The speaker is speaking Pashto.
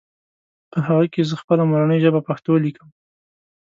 په هغې کې زهٔ خپله مورنۍ ژبه پښتو ليکم